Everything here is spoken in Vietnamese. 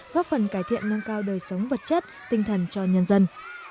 góp phần cải thiện nâng cao đời sống vật chất tinh thần cho nhân dân